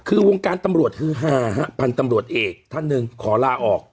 คือวงการตำรวจฮือฮาฮะพันธุ์ตำรวจเอกท่านหนึ่งขอลาออก